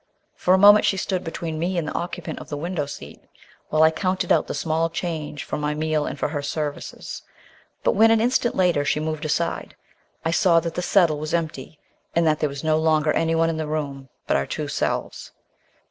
For a moment she stood between me and the occupant of the window seat while I counted out the small change for my meal and for her services; but when, an instant later, she moved aside, I saw that the settle was empty and that there was no longer anyone in the room but our two selves.